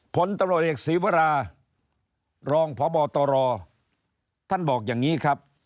ผลตำรวจเอกศีวรารองพบตรท่านบอกอย่างนี้ครับ